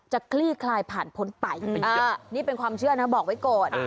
คลี่คลายผ่านพ้นไปนี่เป็นความเชื่อนะบอกไว้ก่อน